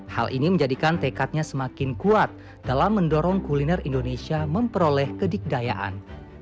hal ini menjadikan tekadnya semakin kuat dalam mendorong kuliner indonesia memperoleh kedikdayaan